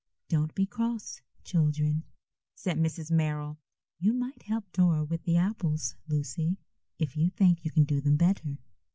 "Don't be cross, children," said Mrs. Merrill. "You might help Dora with the apples, Lucy, if you think you can do them better.